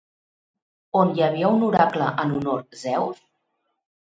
On hi havia un oracle en honor Zeus?